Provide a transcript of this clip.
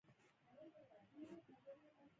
د اسامبلې قدرت پر بېلتون ولاړ و.